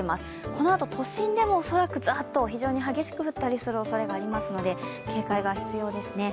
このあと都心でも恐らくザッと非常に激しく降ったりするおそれがありますので警戒が必要ですね。